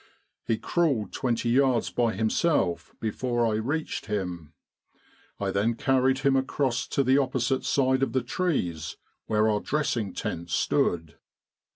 He crawled twenty yards by himself before I reached him. I then carried him across to the opposite side of the trees where our dressing tent stood.